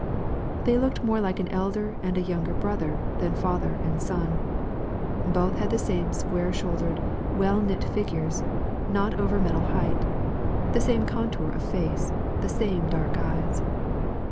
They looked more like an elder and a younger brother than father and son. Both had the same square shouldered, well knit figures, not over middle height the same contour of face, the same dark eyes.